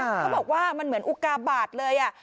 เขาบอกว่ามันเหมือนอุกาบาทเลย